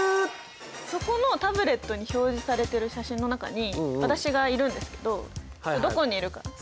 そこのタブレットに表示されてる写真の中に私がいるんですけどどこにいるか探してみてください。